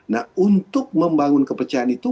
nah untuk membangun kepercayaan itu